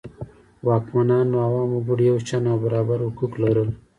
واکمنانو او عامو وګړو یو شان او برابر حقوق لرل.